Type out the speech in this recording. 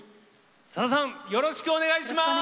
さださんよろしくお願いします。